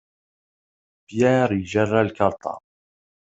Pierre ijerra lkarṭa.